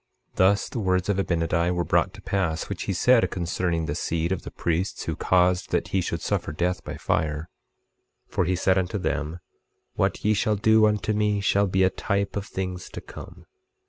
Thus the words of Abinadi were brought to pass, which he said concerning the seed of the priests who caused that he should suffer death by fire. 25:10 For he said unto them: What ye shall do unto me shall be a type of things to come.